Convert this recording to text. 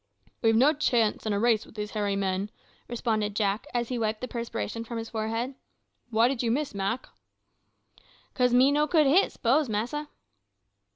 "We've no chance in a race with these hairy men," responded Jack, as he wiped the perspiration from his forehead. "Why did you miss, Mak?" "'Cause me no could hit, s'pose, massa."